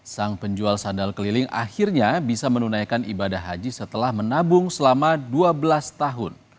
sang penjual sandal keliling akhirnya bisa menunaikan ibadah haji setelah menabung selama dua belas tahun